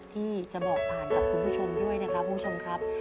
ที่จะบอกผ่านกับคุณผู้ชมด้วยนะครับคุณผู้ชมครับ